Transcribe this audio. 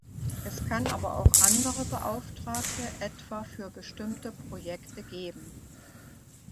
Es kann aber auch andere Beauftragte, etwa für bestimmte Projekte, geben.